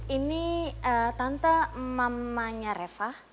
ini tante mamanya reva